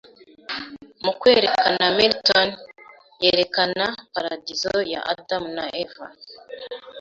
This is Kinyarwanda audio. mu kwerekana Milton yerekana paradizo ya Adamu na Eva